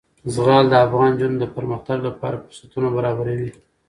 زغال د افغان نجونو د پرمختګ لپاره فرصتونه برابروي.